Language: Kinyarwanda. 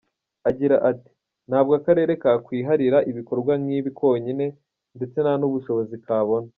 Agira ati “Ntabwo akarere kakwiharira ibikorwa nkibi konyine ndetse ntanubushobozi kabona.